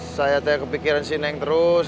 saya teh kepikiran si neng terus